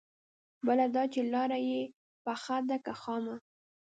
بله دا چې لاره يې پخه ده که خامه؟